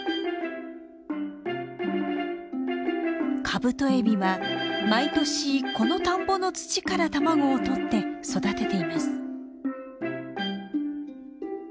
カブトエビは毎年この田んぼの土から卵を取って育てています。